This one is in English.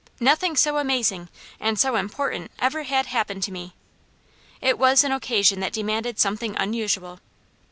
Nothing so amazing and so important ever had happened to me. It was an occasion that demanded something unusual.